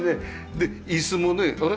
で椅子もねあれ？